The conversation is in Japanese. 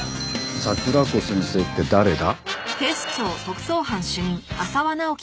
「桜子先生」って誰だ？